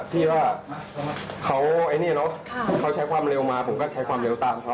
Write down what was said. ที่ว่าเขาไอ้นี่เนอะเขาใช้ความเร็วมาผมก็ใช้ความเร็วตามเขา